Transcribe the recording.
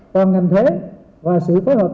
toàn ngành thuế và sự phối hợp